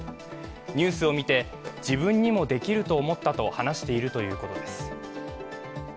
ニュースを見て自分にもできると思ったと話しているということです。